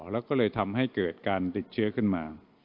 แล้วก็เลยทำให้เกิดการติดเชื้อขึ้นมา